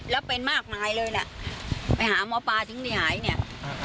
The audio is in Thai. แล้วเป็นมากมายเลยแหละไปหาหมอปลาถึงนี่หายเนี่ย